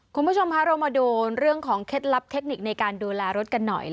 คุณผู้ชมคะเรามาดูเรื่องของเคล็ดลับเทคนิคในการดูแลรถกันหน่อย